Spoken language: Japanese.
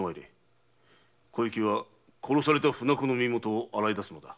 小雪は殺された船子の身元を洗い出すのだ。